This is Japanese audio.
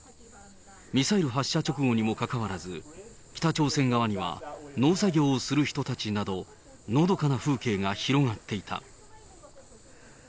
ミサイル発射直後にもかかわらず、北朝鮮側には農作業をする人たちなど、のどかな風景が広がっていた。